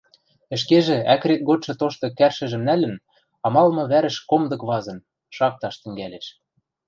Ӹшкежӹ, ӓкрет годшы тошты кӓршӹжӹм нӓлӹн, амалымы вӓрӹш комдык вазын, шакташ тӹнгӓлеш.